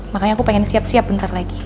makanya aku pengen siap siap bentar lagi